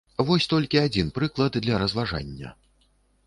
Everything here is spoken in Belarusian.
Вось толькі адзін прыклад для разважання.